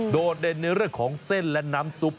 โดดเด่นในเรื่องของเส้นและน้ำซุป